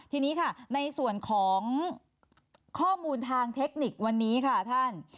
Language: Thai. ทีนี้ค่ะในส่วนของข้อมูลทางเทคนิควันนี้ค่ะท่าน